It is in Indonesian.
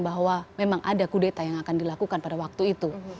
bahwa memang ada kudeta yang akan dilakukan pada waktu itu